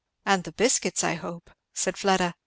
"And the biscuits, I hope," said Fleda.